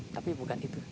tapi bukan itu